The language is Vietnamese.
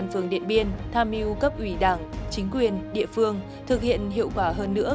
phường điện biên tham mưu cấp ủy đảng chính quyền địa phương thực hiện hiệu quả hơn nữa